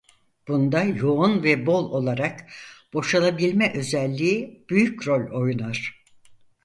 Bunda yoğun ve bol olarak boşalabilme özelliği büyük rol oynar.